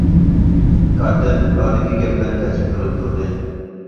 كاتىپ ئارىدىكى گەپلەرنى تەرجىمە قىلىپ تۇردى.